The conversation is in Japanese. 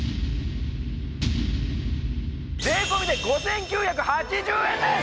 税込で５９８０円です！